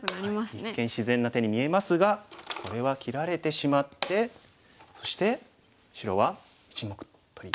一見自然な手に見えますがこれは切られてしまってそして白は１目取りに。